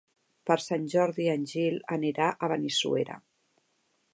Per Sant Jordi en Gil anirà a Benissuera.